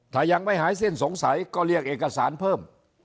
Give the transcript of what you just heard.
ถ้ายังไม่หายสิ้นสงสัยก็เรียกเอกสารเพิ่ม